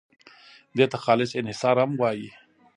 دې ته خالص انحصار هم وایي.